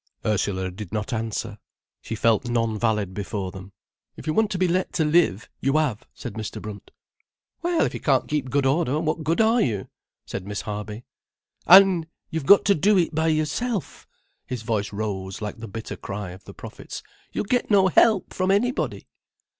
Ursula did not answer. She felt non valid before them. "If you want to be let to live, you have," said Mr. Brunt. "Well, if you can't keep order, what good are you?" said Miss Harby. "An' you've got to do it by yourself,"—his voice rose like the bitter cry of the prophets. "You'll get no help from anybody."